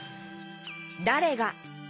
「だれが」